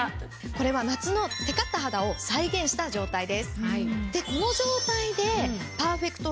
これは夏のテカった肌を再現した状態です。